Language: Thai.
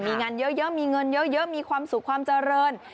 มีเงินเยอะมีความสุขความเจริญ